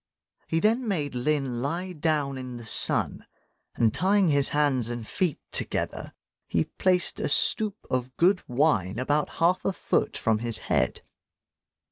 He then made Lin lie down in the sun; and tying his hands and feet together, he placed a stoup of good wine about half a foot from his head.